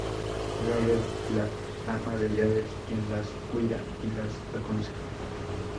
Garret, la ama de llaves quien las cuida y las aconseja.